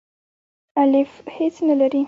الیف هیڅ نه لری.